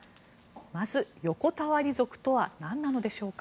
まず横たわり族とはなんなのでしょうか。